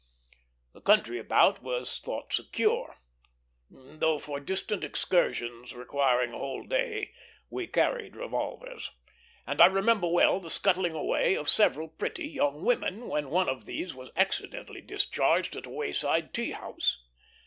The country about was thought secure, though for distant excursions, requiring a whole day, we carried revolvers; and I remember well the scuttling away of several pretty young women when one of these was accidentally discharged at a wayside tea house.